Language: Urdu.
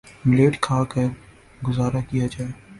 ملیٹ کھا کر گزارہ کیا جائے